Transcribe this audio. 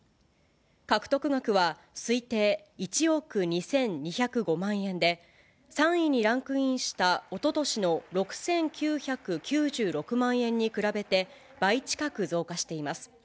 獲得額は、推定１億２２０５万円で、３位にランクインしたおととしの６９９６万円に比べて倍近く増加しています。